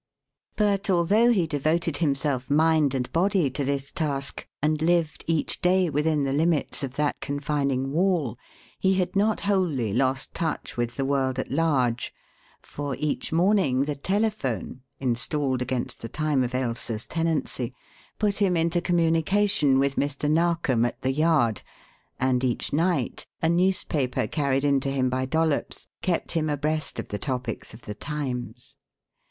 But although he devoted himself mind and body to this task and lived each day within the limits of that confining wall, he had not wholly lost touch with the world at large, for each morning the telephone installed against the time of Ailsa's tenancy put him into communication with Mr. Narkom at the Yard, and each night a newspaper carried in to him by Dollops kept him abreast of the topics of the times.